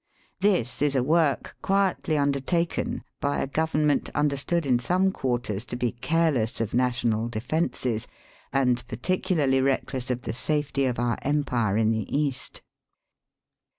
This is a work quietly undertaken by a Government understood in some quarters to be careless of national defences, and particularly reckless of the safety of our empire in the East.